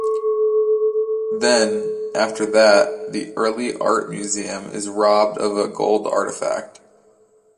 Then, after that, the Early Art Museum is robbed of a gold artifact.